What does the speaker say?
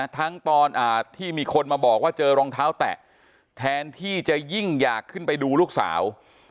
ตอนที่มีคนมาบอกว่าเจอรองเท้าแตะแทนที่จะยิ่งอยากขึ้นไปดูลูกสาว